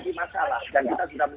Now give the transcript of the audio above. itu tidak jadi masalah